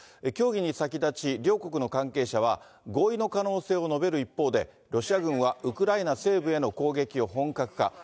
協議に先立ち、両国の関係者は、合意の可能性を述べる一方で、ロシア軍はウクライナ西部への攻撃を本格化。